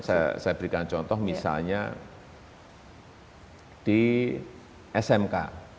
saya berikan contoh misalnya di smk